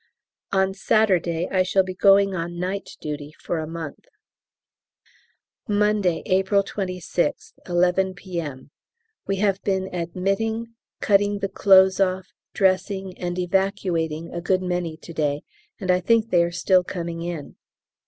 On Saturday I shall be going on night duty for a month. Monday, April 26th, 11 P.M. We have been admitting, cutting the clothes off, dressing, and evacuating a good many to day, and I think they are still coming in.